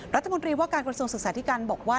รัฐบุริว่าการควรส่งศึกษาที่การบอกว่า